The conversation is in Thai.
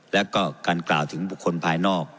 แล้วก็การกล่าวถึงบุคคลภายนอก